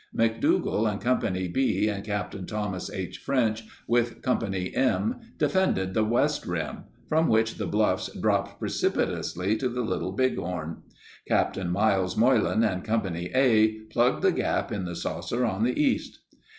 McDougall and Company B and Capt. Thomas H. French with Company M defended the west rim, from which the bluffs dropped precip 70 itously to the Little Bighorn. Capt. Myles Moylan and Company A plugged the gap in the saucer on the east.